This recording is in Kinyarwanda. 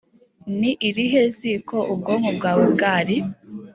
ni irihe ziko ubwonko bwawe bwari?